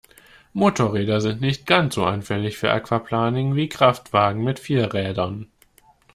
Motorräder sind nicht ganz so anfällig für Aquaplaning wie Kraftwagen mit vier Rädern.